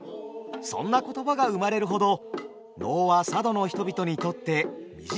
そんな言葉が生まれるほど能は佐渡の人々にとって身近なものでした。